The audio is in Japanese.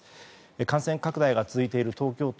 感染拡大が続いている東京都